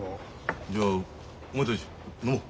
じゃあお前たち飲もう。